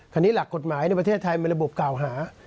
ทีนี้หลักกฎหมายในประเทศไทยมันระบบเก่าหา